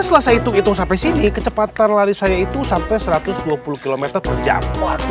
setelah saya hitung hitung sampai sini kecepatan lari saya itu sampai satu ratus dua puluh km per jam